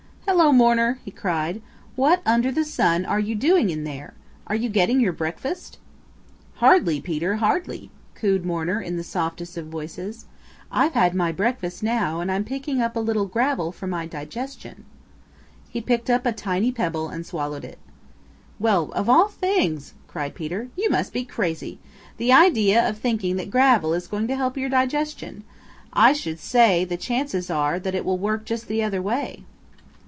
"Hello, Mourner!" he cried. "What under the sun are you doing in there? Are you getting your breakfast?" "Hardly, Peter; hardly," cooed Mourner in the softest of voices. "I've had my breakfast and now I'm picking up a little gravel for my digestion." He picked up a tiny pebble and swallowed it. "Well, of all things!" cried Peter. "You must be crazy. The idea of thinking that gravel is going to help your digestion. I should say the chances are that it will work just the other way."